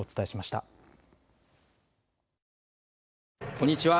こんにちは。